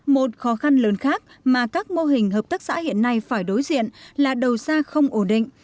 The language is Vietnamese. một khó khăn lớn khác mà các mô hình hợp tác xã hiện nay phải đối diện là đầu xa không ổn định